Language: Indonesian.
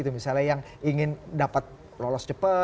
misalnya yang ingin dapat lolos cepat